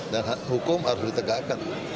dan hukum harus ditegakkan